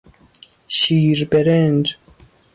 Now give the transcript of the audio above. شیر برنج